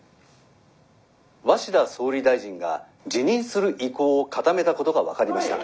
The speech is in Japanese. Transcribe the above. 鷲田総理大臣が辞任する意向を固めたことが分かりました。